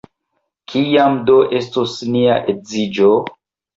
Kiam do estos nia edziĝo?